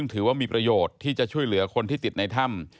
ถือว่ามีประโยชน์ที่จะช่วยเหลือคนที่ติดในถ้ำ